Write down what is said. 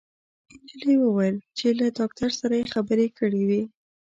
انجلۍ وويل چې له داکتر سره يې خبرې کړې وې